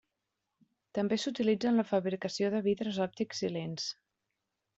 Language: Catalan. També s'utilitza en la fabricació de vidres òptics i lents.